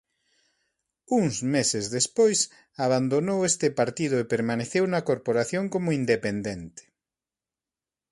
Uns meses despois abandonou este partido e permaneceu na corporación como independente.